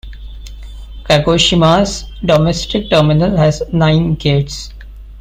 Kagoshima's domestic terminal has nine gates.